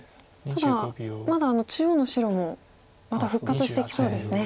ただまだあの中央の白もまた復活してきそうですね。